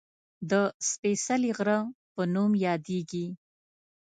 د "سپېڅلي غره" په نوم یادېږي